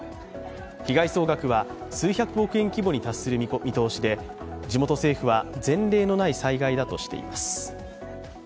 被害総額は数百億円規模に達する見通しで地元政府は前例のない災害だとしています。